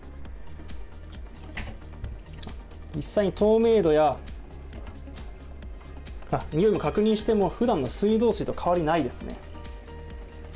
実際に透明度や、においも確認しても、ふだんの水道水と変わりないですね。